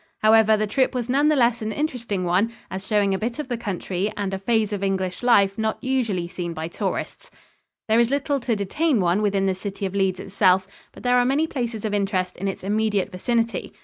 However, the trip was none the less an interesting one as showing a bit of the country and a phase of English life not usually seen by tourists. There is little to detain one within the city of Leeds itself, but there are many places of interest in its immediate vicinity.